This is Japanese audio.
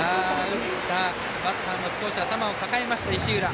打ったバッターも少し頭を抱えました、石浦。